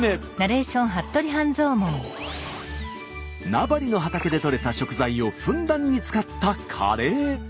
名張の畑でとれた食材をふんだんに使ったカレー。